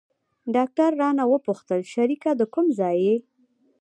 ډاکتر رانه وپوښتل شريکه د کوم ځاى يې.